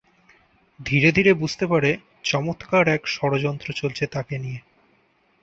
ধীরে ধীরে বুঝতে পারে চমৎকার এক ষড়যন্ত্র চলছে তাকে নিয়ে।